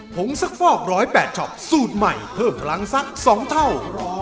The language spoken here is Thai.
งสักฟอก๑๐๘ช็อปสูตรใหม่เพิ่มพลังสัก๒เท่า